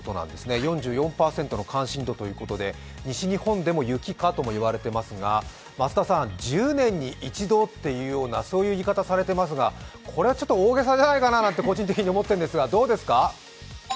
４４％の関心度ということで西日本でも雪かともいわれていますが、増田さん、１０年に一度という言い方をされていますが、これは大げさではないかと個人的には思っていますが、どうですか？